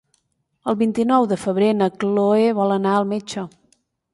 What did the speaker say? El vint-i-nou de febrer na Chloé vol anar al metge.